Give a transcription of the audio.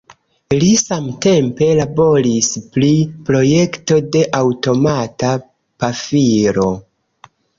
Li samtempe laboris pri projekto de aŭtomata pafilo.